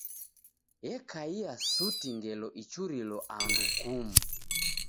Ekaia suti ngelo ichurilo andu kumu.